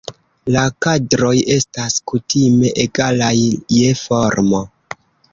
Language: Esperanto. La kadroj estas kutime egalaj je formo.